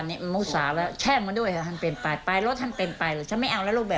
มันอุตส่าห์แล้วแช่มมันด้วยทำเป็นไป